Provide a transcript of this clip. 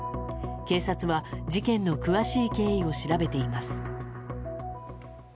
警察は、事件の詳しい経緯を調べています。